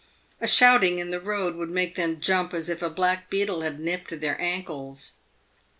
A shouting in the road would make them jump as if a black beetle had nipped their ankles.